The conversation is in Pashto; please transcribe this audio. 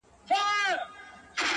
كومه يوه خپله كړم”